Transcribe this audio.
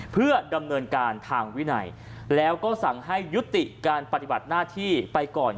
เพื่อดำเนินการทางวินัยแล้วก็สั่งให้ยุติการปฏิบัติหน้าที่ไปก่อน